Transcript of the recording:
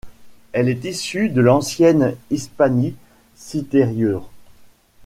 Elle est issue de l'ancienne Hispanie citérieure.